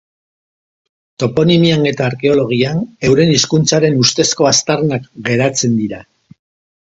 Toponimian eta arkeologian euren hizkuntzaren ustezko aztarnak geratzen dira.